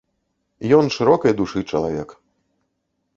Ён шырокай душы чалавек.